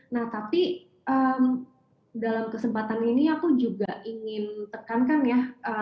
nah tapi dalam kesempatan ini aku juga ingin tekankan ya